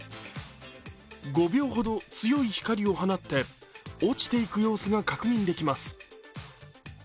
５秒ほど強い光を放って落ちていく様子が確認できます。